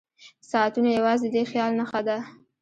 ساعتونه یوازې د دې خیال نښه ده.